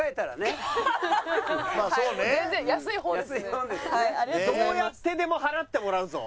どうやってでも払ってもらうぞ！